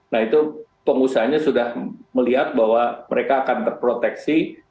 nah itu pengusahanya sudah melihat bahwa mereka akan terproteksi